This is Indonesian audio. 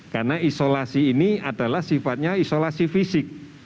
karena isolasi ini adalah sifatnya isolasi fisik